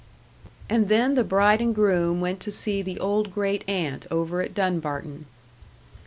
And then the bride and groom went to see the old great aunt over at Dunbarton.